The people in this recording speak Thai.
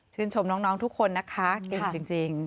ชมน้องทุกคนนะคะเก่งจริง